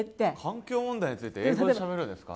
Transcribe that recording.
環境問題について英語でしゃべるんですか？